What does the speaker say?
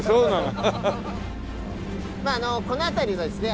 この辺りはですね